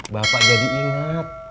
bapak jadi ingat